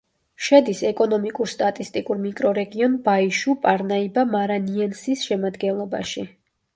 შედის ეკონომიკურ-სტატისტიკურ მიკრორეგიონ ბაიშუ-პარნაიბა-მარანიენსის შემადგენლობაში.